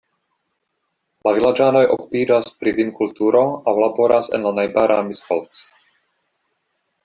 La vilaĝanoj okupiĝas pri vinkulturo aŭ laboras en la najbara Miskolc.